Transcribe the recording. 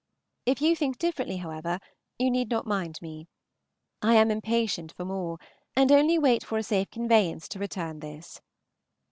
If you think differently, however, you need not mind me. I am impatient for more, and only wait for a safe conveyance to return this.